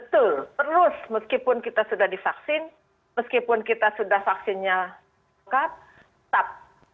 betul terus meskipun kita sudah divaksin meskipun kita sudah vaksinnya lengkap tetap